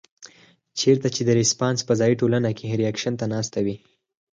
چرته چې د رسپانس پۀ ځائے ټولنه رېکشن ته ناسته وي